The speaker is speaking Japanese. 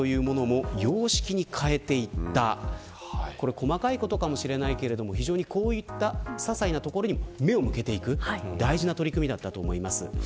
細かいことかもしれないけれどこういったささいなところに目を向けていく大事な取り組みだったと思います。